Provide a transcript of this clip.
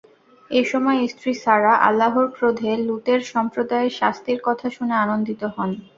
এ সময় স্ত্রী সারাহ্ আল্লাহর ক্রোধে লূতের সম্প্রদায়ের শাস্তির কথা শুনে আনন্দিত হন।